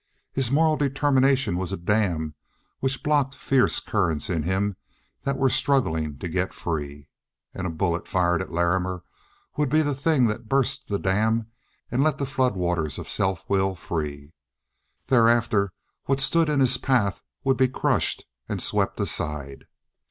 His moral determination was a dam which blocked fierce currents in him that were struggling to get free. And a bullet fired at Larrimer would be the thing that burst the dam and let the flood waters of self will free. Thereafter what stood in his path would be crushed and swept aside.